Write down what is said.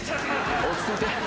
落ち着いて。